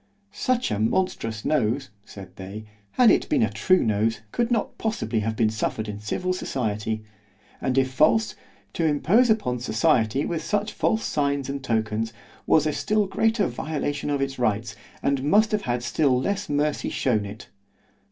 Such a monstrous nose, said they, had it been a true nose, could not possibly have been suffered in civil society——and if false—to impose upon society with such false signs and tokens, was a still greater violation of its rights, and must have had still less mercy shewn it.